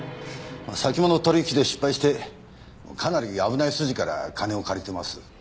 先物取引で失敗してかなり危ない筋から金を借りてます。